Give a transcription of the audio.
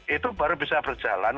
itu baru bisa berjalan